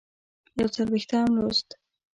یوڅلوېښتم لوست